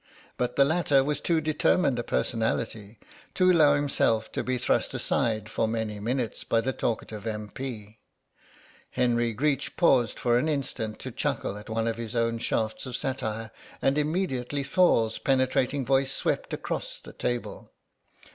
But the latter was too determined a personality to allow himself to be thrust aside for many minutes by the talkative M.P. Henry Greech paused for an instant to chuckle at one of his own shafts of satire, and immediately Thorle's penetrating voice swept across the table.